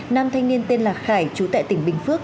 nam thanh niên tên là khải chú tại tỉnh bình phước